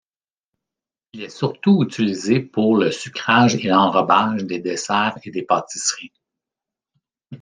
Il est surtout utilisé pour le sucrage et l’enrobage des desserts et des pâtisseries.